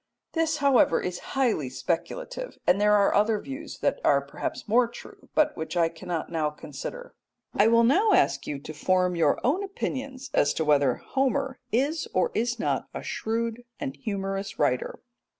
This, however, is highly speculative, and there are other views that are perhaps more true, but which I cannot now consider. I will now ask you to form your own opinions as to whether Homer is or is not a shrewd and humorous writer.